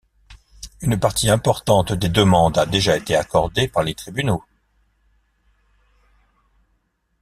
Une partie importante des demandes a déjà été accordée par les tribunaux.